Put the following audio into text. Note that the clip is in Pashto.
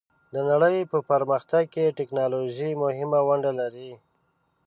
د نړۍ په پرمختګ کې ټیکنالوژي مهمه ونډه لري.